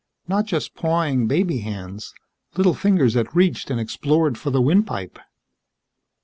Not just pawing baby hands. Little fingers that reached and explored for the windpipe.